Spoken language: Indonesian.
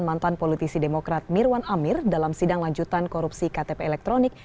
mantan politisi demokrat mirwan amir dalam sidang lanjutan korupsi ktp elektronik